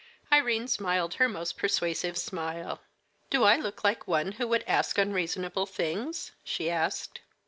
Irene smiled her most persuasive smile. "Do I look like one who would ask unreasonable things?" she asked.